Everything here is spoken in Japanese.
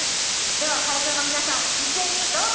では会場の皆さん一斉にどうぞ！